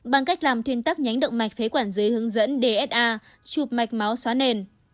bằng cách làm thuyên tắc nhánh động mạch phế quản giấy hướng dẫn dsa chụp mạch máu xóa nền